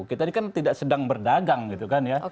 kita ini kan tidak sedang berdagang gitu kan ya